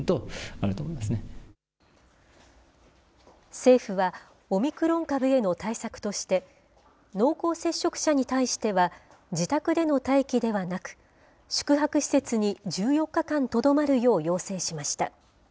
政府は、オミクロン株への対策として、濃厚接触者に対しては自宅での待機ではなく、宿泊施設に１４日間とどまるよう要請しました。